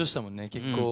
結構。